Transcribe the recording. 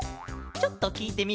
ちょっときいてみるケロ！